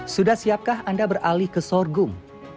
sudah siapkah anda beralih ke sorghum